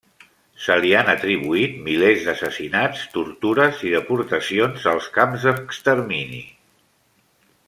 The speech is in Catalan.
Se li han atribuït milers d'assassinats, tortures i deportacions als camps d'extermini.